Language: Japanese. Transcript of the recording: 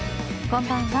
こんばんは。